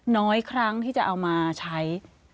น้อยครั้งที่จะเอามาใช้